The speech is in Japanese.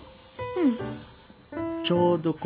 うん。